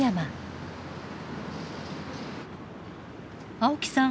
青木さん